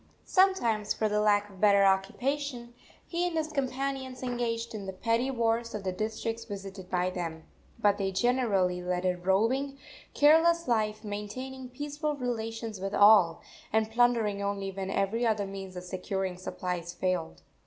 Sometimes, for the lack of better occupation, he and his companions engaged in the petty wars of the districts visited by them; but they generally led a roving, careless life, maintaining peaceful relations with all, and plundering only when every other means of securing supplies failed.